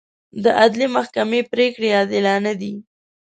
د عدلي محکمې پرېکړې عادلانه دي.